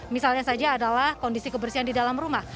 misalnya saja adalah kondisi kebersihan di dalam rumah